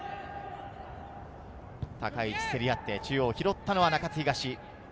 高い位置で競り合って拾ったのは中津東。